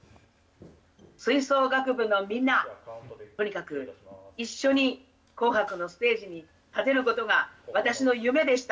吹奏楽部のみんな、とにかく一緒に紅白のステージに立てることが私の夢でした。